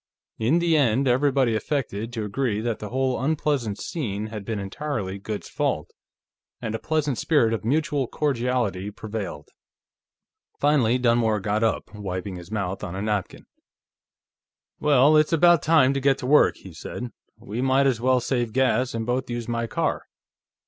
In the end, everybody affected to agree that the whole unpleasant scene had been entirely Goode's fault, and a pleasant spirit of mutual cordiality prevailed. Finally Dunmore got up, wiping his mouth on a napkin. "Well, it's about time to get to work," he said. "We might as well save gas and both use my car.